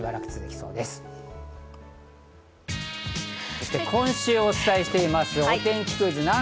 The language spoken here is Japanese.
そして今週お伝えしています、お天気クイズ！